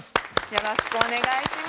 よろしくお願いします。